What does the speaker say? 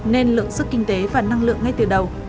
nên lượng sức kinh tế và năng lượng ngay từ đầu